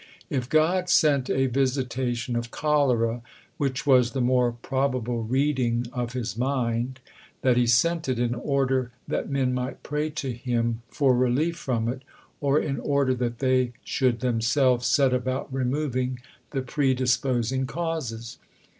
If God sent a visitation of cholera, which was the more probable reading of His mind that He sent it in order that men might pray to Him for relief from it, or in order that they should themselves set about removing the predisposing causes?